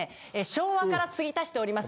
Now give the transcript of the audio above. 昭和から継ぎ足しております。